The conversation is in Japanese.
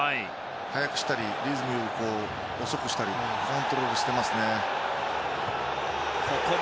速くしたり、リズムを遅くしたりコントロールしてますね。